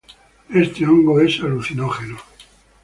Este hongo es alucinógeno.